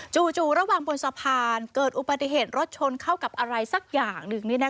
ระหว่างบนสะพานเกิดอุบัติเหตุรถชนเข้ากับอะไรสักอย่างหนึ่ง